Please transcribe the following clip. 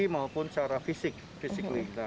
maupun secara fisik